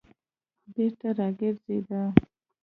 بېرته راگرځېده.